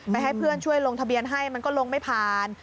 ให้เพื่อนช่วยลงทะเบียนให้มันก็ลงไม่ผ่าน